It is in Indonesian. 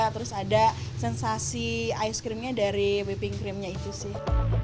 terus ada sensasi ice creamnya dari weapping creamnya itu sih